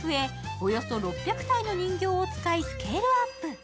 およそ６００体の人形を使いスケールアップ。